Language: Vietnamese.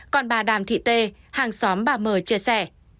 còn bà đàm thị tê hàng xóm bà mờ chia sẻ